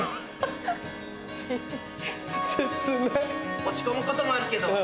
落ち込むこともあるけど